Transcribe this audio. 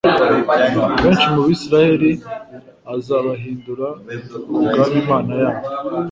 Benshi mu Bisiraeli azabahindurira ku Mwami Imana yabo;